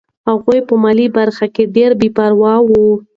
هغوی په مالي برخه کې ډېر بې پروا وو.